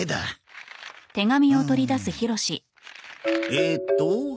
えーっと。